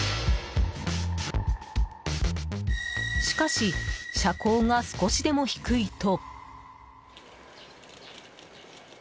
しかし、車高が少しでも低いと。